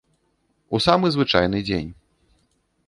У самы звычайны дзень.